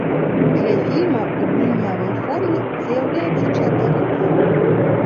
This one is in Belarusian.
Для фільмаў у гульнявой форме заяўляецца чатыры тэмы.